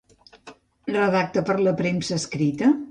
Redacta per a la premsa escrita?